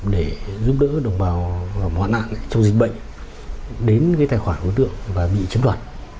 để giúp đỡ đồng bào hoạn nạn trong dịch bệnh đến cái tài khoản của tượng và bị chấm đoạn